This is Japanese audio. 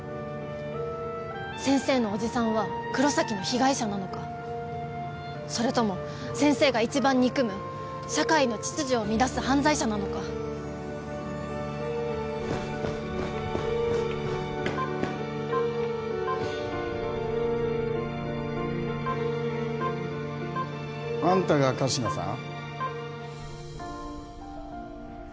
先生の叔父さんは黒崎の被害者なのかそれとも先生が一番憎む社会の秩序を乱す犯罪者なのかあんたが神志名さん？